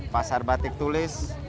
pasar batik tulis